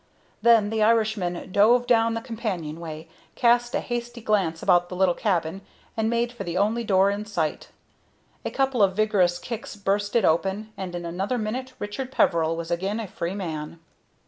Then the Irishman dove down the companionway, cast a hasty glance about the little cabin, and made for the only door in sight. A couple of vigorous kicks burst it open, and in another minute Richard Peveril was again a free man.